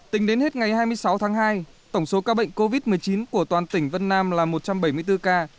tính đến hết ngày hai mươi sáu tháng hai tổng số ca bệnh covid một mươi chín của toàn tỉnh vân nam là một trăm bảy mươi bốn ca